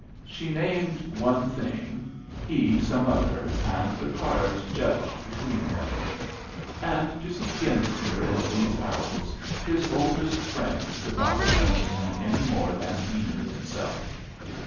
She named one thing, he some other, and the cards judged between them. And to see Genesmere in these hours, his oldest friend could not have known him any more than he knew himself.